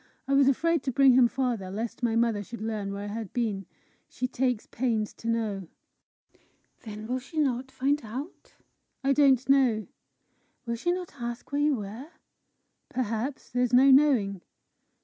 I was afraid to bring him farther, lest my mother should learn where I had been. She takes pains to know." "Then will she not find out?" "I don't know." "Will she not ask you where you were?" "Perhaps. There's no knowing."